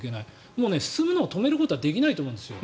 もう進むのを止めることはできないと思うんですよ。